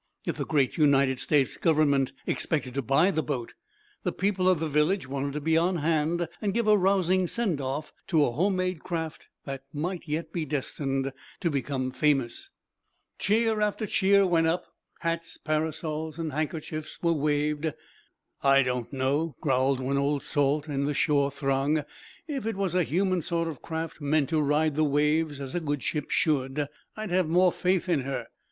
If the great United States Government expected to buy the boat, the people of the village wanted to be on hand and give a rousing send off to a homemade craft that might yet be destined to become famous. Cheer after cheer went up. Hats, parasols and handkerchiefs were waved. "I don't know," growled one old salt in the shore throng. "If it was a human sort of craft, meant to ride the waves as a good ship should, I'd have more faith in her.